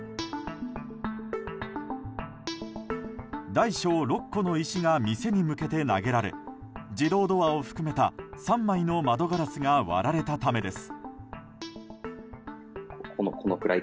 大小６個の石が店に向けて投げられ自動ドアを含めた３枚の窓ガラスが割られたためです。